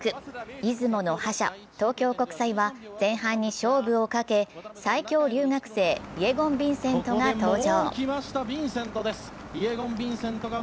出雲の覇者・東京国際は前半に勝負をかけ、最強留学生、イェゴン・ヴィンセントが登場。